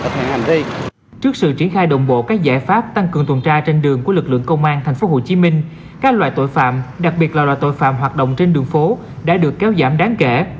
trước sự triển khai đồng bộ các giải pháp tăng cường tuần tra trên đường của lực lượng công an thành phố hồ chí minh các loại tội phạm đặc biệt là loại tội phạm hoạt động trên đường phố đã được kéo giảm đáng kể